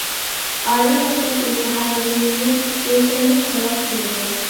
ئالىي مەكتەپ ئىمتىھانىدىن كېيىن ئۆلچەملىك جاۋاب كېلىدۇ.